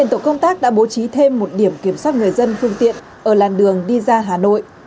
tổ công tác đã bố trí thêm một điểm kiểm soát người dân phương tiện ở làn đường đi ra hà nội